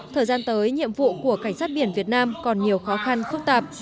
thời gian tới nhiệm vụ của cảnh sát biển việt nam còn nhiều khó khăn phức tạp